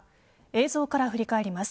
映像から振り返ります。